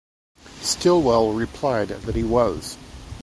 Stilwell replied that he was.